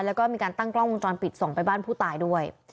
แล้วก็มีการตั้งกล้องวงจรปิดส่งไปบ้านผู้ตายด้วย